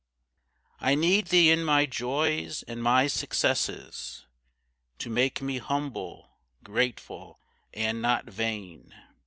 I need Thee in my joys and my successes, To make me humble, grateful, and not vain.